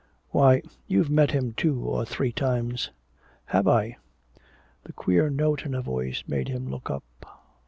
"Why you've met him two or three times " "Have I?" The queer note in her voice made him look up.